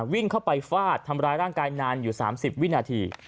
วิ่งเข้าไปฟาดทำร้ายร่างกายนานอยู่๓๐วินาที